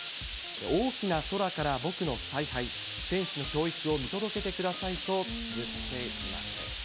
大きな空から僕の采配、選手の教育を見届けてくださいとつづっています。